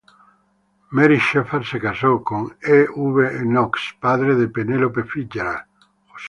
Mary Shepard se casó con E. V. Knox, padre de Penelope Fitzgerald.